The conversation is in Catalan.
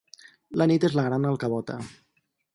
La nit és la gran alcavota.